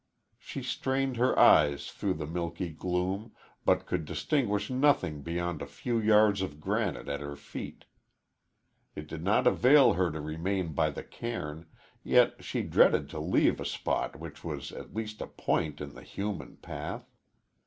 She strained her eyes through the milky gloom, but could distinguish nothing beyond a few yards of granite at her feet. It did not avail her to remain by the cairn, yet she dreaded to leave a spot which was at least a point in the human path.